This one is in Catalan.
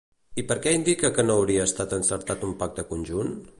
I per què indica no hauria estat encertat un pacte conjunt?